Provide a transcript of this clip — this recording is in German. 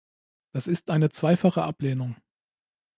Das ist eine zweifache Ablehnung.